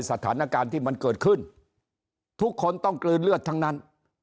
สถานการณ์ที่มันเกิดขึ้นทุกคนต้องกลืนเลือดทั้งนั้น